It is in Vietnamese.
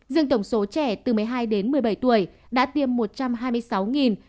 dương tổng số trẻ từ một mươi hai đến một mươi bảy tuổi đã tiêm một trăm hai mươi sáu bảy trăm năm mươi tám liều